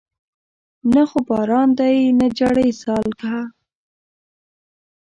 نه خو باران دی نه جړۍ سالکه